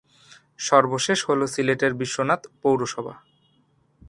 সর্বশেষ হলো সিলেটের বিশ্বনাথ পৌরসভা।